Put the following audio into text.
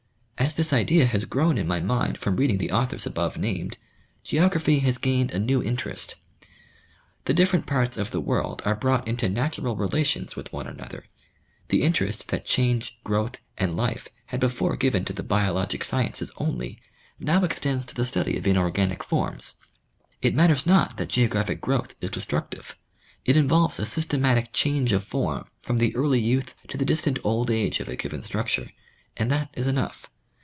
As this idea has grown in my mind from reading the authors above named, geography has gained a new interest. The different parts of the world are brought into natural relations with one another ; the interest that change, growth and life had before given to the biologic sciences only, now extends to the study of inorganic forms. It matters not that geographic growth is destructive ; it involves a systematic change of form from the early youth to the distant old age of a given structure, and that is enough.